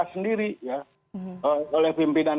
sendiri oleh pimpinan